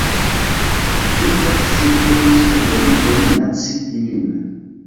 Ivan sin turnis por denove minaci ilin.